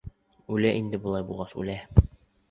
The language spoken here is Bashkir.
Үлә инде былай булғас, үлә!